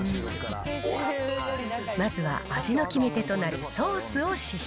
まずは味の決め手となるソースを試食。